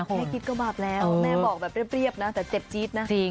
แค่คิดก็บาปแล้วแม่บอกแบบเรียบนะแต่เจ็บจี๊ดนะจริง